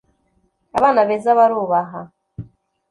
Abana beza barubaha